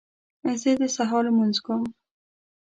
زه د سهار لمونځ کوم